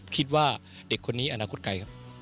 คิดว่าเด็กคนนี้อนาคตไกลครับ